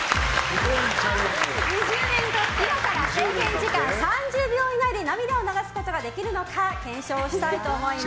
今から制限時間３０秒以内で涙を流すことができるのか検証したいと思います。